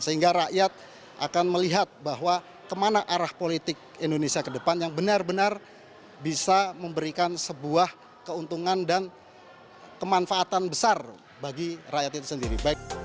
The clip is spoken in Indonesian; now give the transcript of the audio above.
sehingga rakyat akan melihat bahwa kemana arah politik indonesia ke depan yang benar benar bisa memberikan sebuah keuntungan dan kemanfaatan besar bagi rakyat itu sendiri